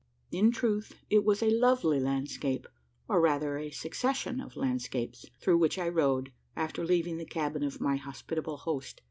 In truth, it was a lovely landscape, or rather a succession of landscapes, through which I rode, after leaving the cabin of my hospitable host.